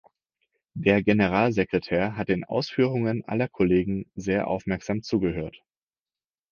Der Generalsekretär hat den Ausführungen aller Kollegen sehr aufmerksam zugehört.